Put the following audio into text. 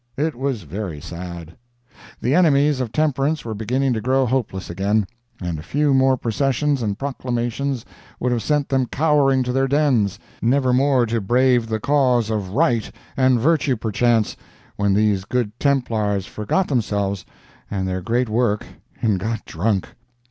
It was very sad. The enemies of temperance were beginning to grow hopeless again, and a few more processions and proclamations would have sent them cowering to their dens, nevermore to brave the cause of right and virtue, perchance, when these Good Templars forgot themselves and their great work and got drunk!